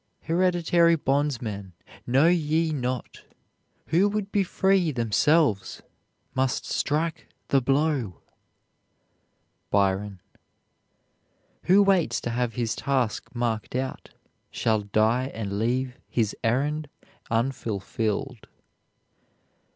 Hereditary bondsmen, know ye not Who would be free themselves must strike the blow? BYRON. Who waits to have his task marked out, Shall die and leave his errand unfulfilled.